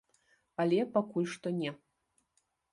Але пакуль што не.